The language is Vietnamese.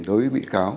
đối với bị cáo